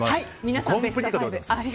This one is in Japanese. コンプリートです。